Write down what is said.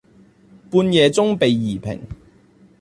半夜中被移平